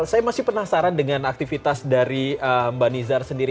saya masih penasaran dengan aktivitas dari mbak nizar sendiri